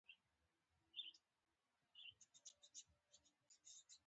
سوله په دوو طریقو سرته رسیږي.